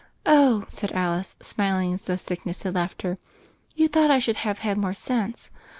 ^ "Oh," said Alice, smiling as though sick ness had left her, "you thought I should have had more sense.